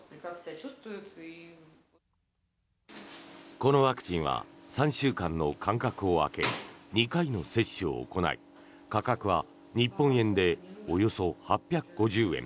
このワクチンは３週間の間隔を空け２回の接種を行い価格は日本円でおよそ８５０円。